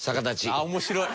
ああ面白い。